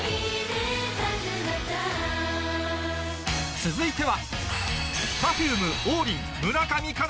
続いては